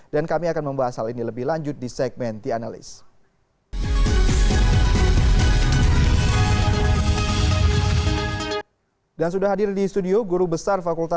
dan kami akan membahas hal ini lebih lanjut di segmen the analyst